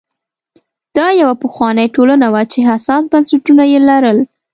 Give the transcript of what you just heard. دا یوه پخوانۍ ټولنه وه چې حساس بنسټونه یې لرل